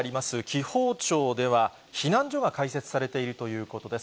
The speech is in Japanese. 紀宝町では、避難所が開設されているということです。